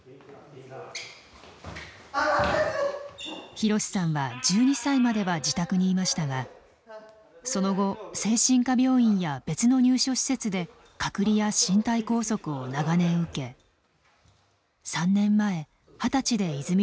ひろしさんは１２歳までは自宅にいましたがその後精神科病院や別の入所施設で隔離や身体拘束を長年受け３年前二十歳で泉寮に連れてこられました。